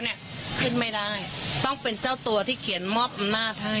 เนี่ยขึ้นไม่ได้ต้องเป็นเจ้าตัวที่เขียนมอบอำนาจให้